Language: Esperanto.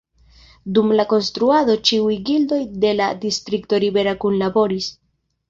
Dum la konstruado ĉiuj gildoj de la distrikto Ribera kunlaboris.